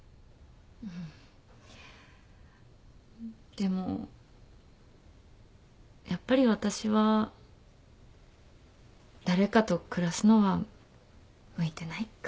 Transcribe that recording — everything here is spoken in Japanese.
でもやっぱり私は誰かと暮らすのは向いてないかな。